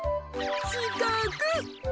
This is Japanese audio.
しかく。